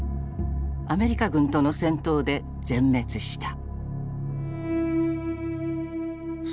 アメリカ軍との戦闘で全滅した。